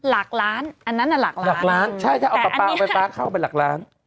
หลักล้านอันนั้นน่ะหลักล้านหลักล้านใช่ถ้าเอาปลาปลาเข้าไปหลักล้าน